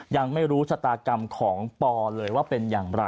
ยังไม่รู้ชะตากรรมของปอเลยว่าเป็นอย่างไร